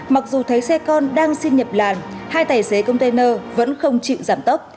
mặc dù thấy xe con đang xin nhập làn hai tài xế container vẫn không chịu giảm tốc